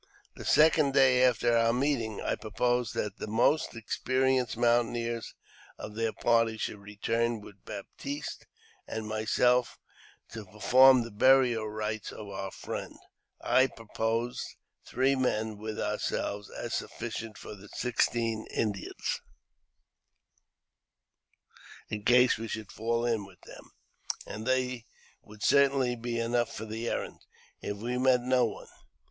The second day after our meeting, I proposed that the mosi experienced mountaineers of their party should return with Baptiste and myself to perform the burial rites of our friend. I proposed three men, with ourselves, as sufficient for the sixteen Indians, in case we should fall in with them, and they would certainly be enough for the errand if we met no one.